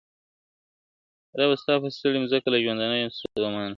ربه ستا پر ستړې مځکه له ژوندونه یم ستومانه !.